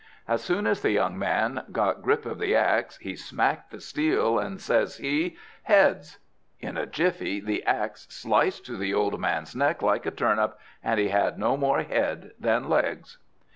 As soon as the young man got grip of the axe, he smacked the steel, and says he, "Heads!" In a jiffy the axe sliced through the old man's neck like a turnip, and he had no more head than legs.